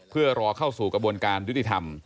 เพื่อรอเข้าสู่กระบวนการยุติธรรม